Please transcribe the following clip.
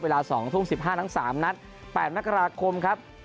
เวลา๒ทุ่ม๑๕ทั้ง๓นัด๘มกราคมครับ